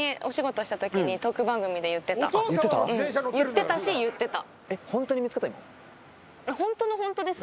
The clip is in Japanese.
言ってたし言ってた。